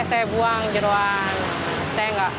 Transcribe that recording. saya buang jeruang